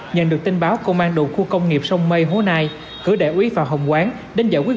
nhận được tin báo công an đồn khu công nghiệp sông mây hố nai cử đệ úy vào hồng quán đến giải quyết